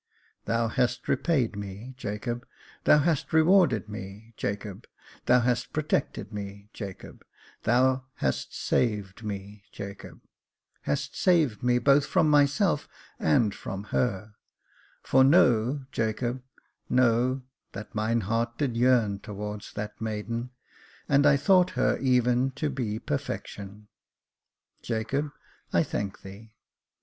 Thou hast repaid me, Jacob — thou hast rewarded me, Jacob — thou hast protected me, Jacob — thou hast saved me, Jacob — hast saved me, both from myself and from her ; for know, Jacob — know — that mine heart did yearn towards that maiden ; and I thought her even to be perfection. Jacob, I thank thee